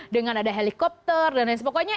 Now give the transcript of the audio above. dengan ada helikopter dan lain sebagainya